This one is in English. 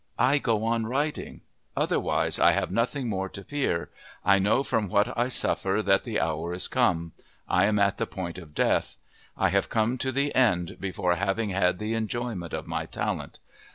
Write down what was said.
I go on writing.... Otherwise I have nothing more to fear. I know from what I suffer that the hour is come; I am at the point of death; I have come to the end before having had the enjoyment of my talent.